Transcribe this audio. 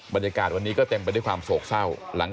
บรรยากาศวันนี้ก็เต็มไปด้วยความโศกเศร้า